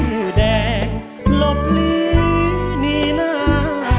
ชื่อแดงรบลีนี่นา